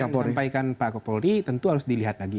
yang saya sampaikan pak kapolri tentu harus dilihat lagi